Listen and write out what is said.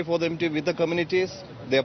mereka akan baik dengan komunitas mereka